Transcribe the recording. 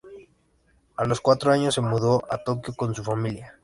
A los cuatro años, se mudó a Tokio con su familia.